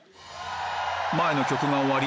前の曲が終わり